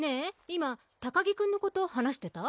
今高木くんのこと話してた？